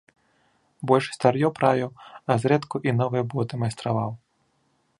Больш стар'ё правіў, а зрэдку і новыя боты майстраваў.